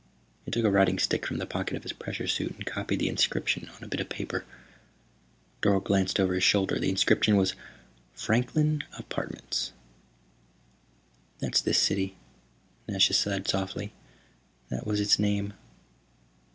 He took a writing stick from the pocket of his pressure suit and copied the inscription on a bit of paper. Dorle glanced over his shoulder. The inscription was: FRANKLIN APARTMENTS "That's this city," Nasha said softly. "That was its name."